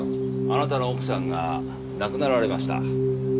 あなたの奥さんが亡くなられました。